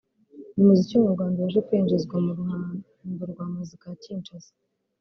ngo umuziki wo mu Rwanda ubashe kwinjizwa mu ruhando rwa muzika ya Kinshasa